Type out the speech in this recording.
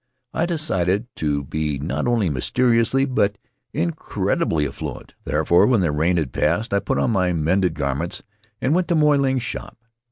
I decided to be not only mysteriously, but incredibly, affluent. Therefore, when the rain had passed I put on my mended garments and went to Moy Ling's shop.